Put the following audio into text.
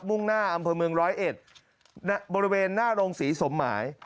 มุ่งหน้าอำเภอเมืองร้อยเอ็ดบริเวณหน้าโรงศรีสมหมาย